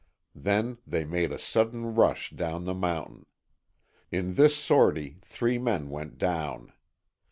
Then they made a sudden rush down the mountain. In this "sortie" three men went down.